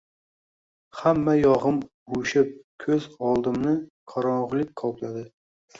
hamma yogʻim uvushib, koʻz oldimni qorongʻilik qopladi.